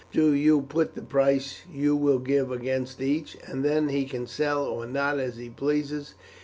Do you put the price you will give against each, and then he can sell or not as he pleases.